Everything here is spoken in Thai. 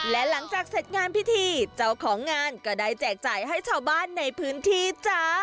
และหลังจากเสร็จงานพิธีเจ้าของงานก็ได้แจกจ่ายให้ชาวบ้านในพื้นที่จ้า